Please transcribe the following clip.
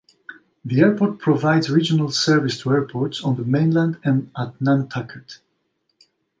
The airport provides regional service to airports on the mainland and at Nantucket.